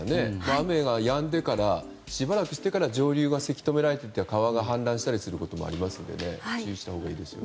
雨がやんでからしばらくしてから上流がせき止められて川が氾濫することもありますので注意したほうがいいですね。